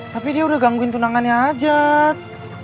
tapi dia udah gangguin tunangannya ajat